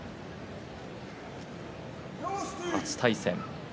初対戦。